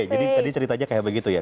faye jadi tadi ceritanya kayak begitu ya